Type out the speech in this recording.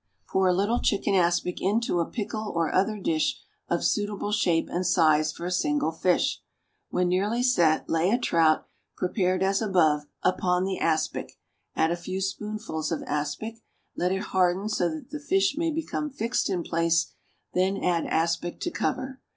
= Pour a little chicken aspic into a pickle or other dish of suitable shape and size for a single fish; when nearly set, lay a trout, prepared as above, upon the aspic, add a few spoonfuls of aspic, let it harden so that the fish may become fixed in place, then add aspic to cover.